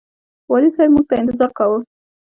والي صاحب موږ ته انتظار کاوه.